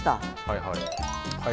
はいはい。